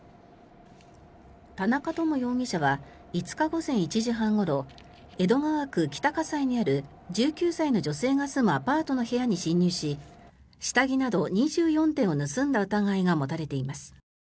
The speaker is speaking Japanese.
田中知容疑者は５日午前１時半ごろ江戸川区北葛西にある１９歳の女性が住むアパートの部屋に侵入し下着など２４点を盗んだ疑いが持たれています。